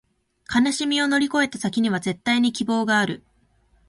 悲しみを乗り越えた先には、絶対に希望がある